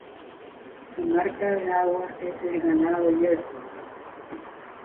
Su marca de agua es el Ganado Jersey.